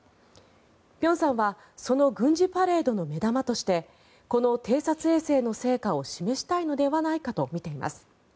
辺さんはその軍事パレードの目玉としてこの偵察衛星の成果を示したいのではないかと見ています。